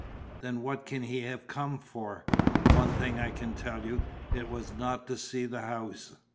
"Then what can he have come for? One thing I can tell you, it was not to see the house."